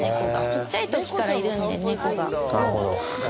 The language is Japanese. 小っちゃい時からいるんで猫が。